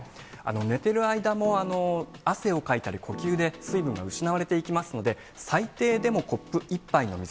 寝てる間も汗をかいたり、呼吸で水分が失われていきますので、最低でもコップ１杯の水。